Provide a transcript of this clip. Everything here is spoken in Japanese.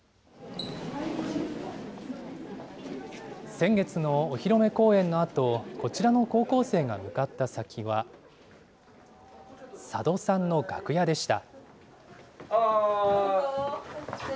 先月のお披露目公演のあと、こちらの高校生が向かった先は、佐渡さんの楽屋でした。